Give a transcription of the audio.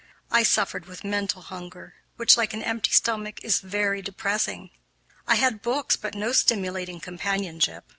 I suffered with mental hunger, which, like an empty stomach, is very depressing. I had books, but no stimulating companionship.